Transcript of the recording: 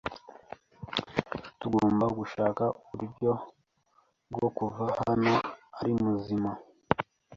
Tugomba gushaka uburyo bwo kuva hano ari muzima.